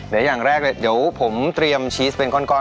เดี๋ยวอย่างแรกผมเตรียมชีสเป็นข้อความสามารถ